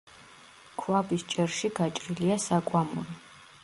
ქვაბის ჭერში გაჭრილია საკვამური.